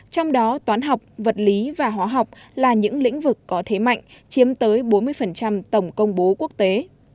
trong đó toán học vật lý và hóa học là những lĩnh vực có thế mạnh chiếm tới bốn mươi tổng công bố quốc tế